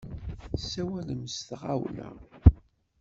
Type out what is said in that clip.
Tessawalem s tɣawla.